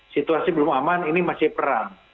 situasi belum aman ini masih perang